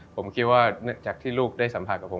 ผมคิดว่าจากที่ลูกได้สัมผัสกับผม